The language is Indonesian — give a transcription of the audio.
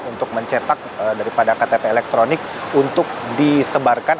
untuk mencetak daripada ktp elektronik untuk disebarkan